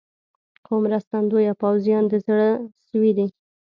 خو مرستندویه پوځیان د زړه سوي دي.